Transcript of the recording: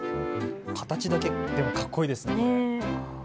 形だけでもかっこいいですね。